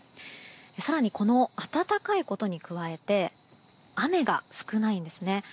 更に、この暖かいことに加えて雨が少ないんですね。